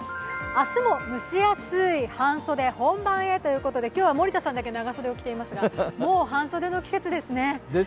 明日も蒸し暑い、半袖本番へということで、今日は森田さんだけ長袖着ていますがもう半袖の季節ですね。